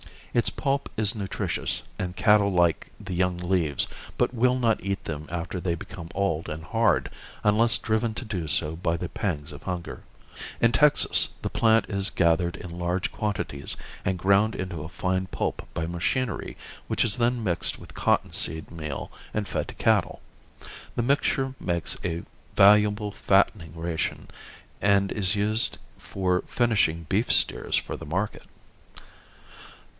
Its pulp is nutritious and cattle like the young leaves, but will not eat them after they become old and hard unless driven to do so by the pangs of hunger. In Texas the plant is gathered in large quantities and ground into a fine pulp by machinery which is then mixed with cotton seed meal and fed to cattle. The mixture makes a valuable fattening ration and is used for finishing beef steers for the market.